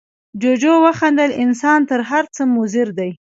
جوجو وخندل، انسان تر هر څه مضر دی.